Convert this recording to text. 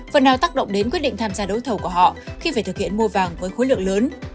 phần nào tác động đến quyết định tham gia đấu thầu của họ khi phải thực hiện mua vàng với khối lượng lớn